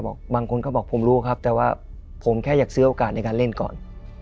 บางคนก็บอกผมรู้ครับแต่ว่าผมแค่อยากซื้อโอกาสในการเล่นก่อน